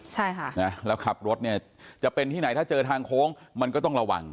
ใช่ค่ะนะแล้วขับรถเนี่ยจะเป็นที่ไหนถ้าเจอทางโค้งมันก็ต้องระวัง